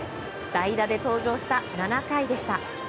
代打で登場した７回でした。